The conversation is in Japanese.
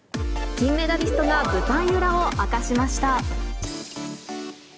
金メダリストが舞台裏を明かしました。